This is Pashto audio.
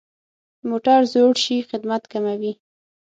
موټر زوړ شي، خدمت کموي.